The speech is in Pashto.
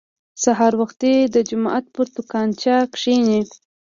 سهار وختي د جومات پر تنګاچه کښېني.